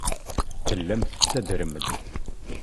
Tellam tettadrem-d.